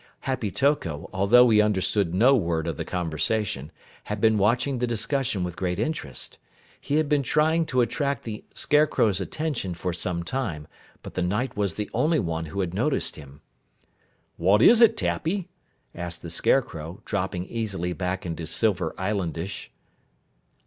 Happy Toko, although he understood no word of the conversation, had been watching the discussion with great interest. He had been trying to attract the Scarecrow's attention for some time, but the Knight was the only one who had noticed him. "What is it, Tappy?" asked the Scarecrow, dropping easily back into Silver Islandish.